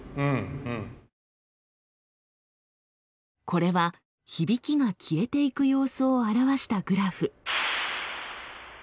これは響きが消えていく様子を表したグラフ。